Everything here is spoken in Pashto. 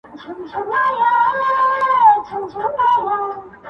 بحث لا هم دوام لري تل,